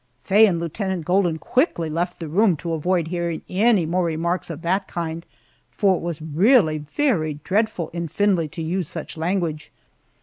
Faye and Lieutenant Golden quickly left the room to avoid hearing any more remarks of that kind, for it was really very dreadful in Findlay to use such language.